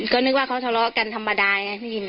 ก็นึกว่าเขาสาวเลาะกันธรรมดาย